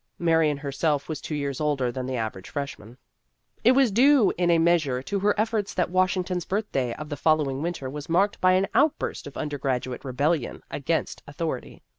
Marion herself was two years older than the average freshman. It was due in a measure to her efforts that Washington's Birthday of the follow ing winter was marked by an outburst of undergraduate rebellion against authority.